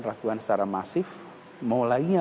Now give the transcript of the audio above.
raguan secara masif mulainya